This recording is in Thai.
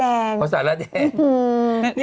แถวสารระแดง